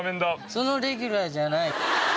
そのレギュラーじゃない。